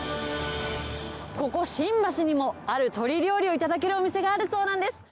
ここ新橋にも、ある鶏料理を頂けるお店があるそうなんです。